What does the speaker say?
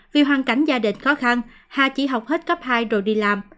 vì hoàn cảnh gia đình khó khăn hà chỉ học hết cấp hai rồi đi làm